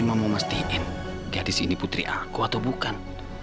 mama mestiin gadis ini putri aku atau bukan